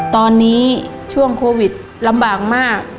ตอนนี้ช่วงโควิดลำบากมาก